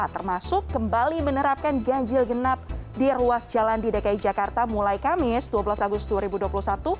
termasuk kembali menerapkan ganjil genap di ruas jalan di dki jakarta mulai kamis dua belas agustus dua ribu dua puluh satu